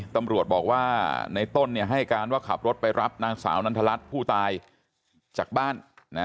ตำรวจบอกว่าในต้นให้การว่าขับรถไปรับนางสาวนันทรัศน์ผู้ตายจากบ้าน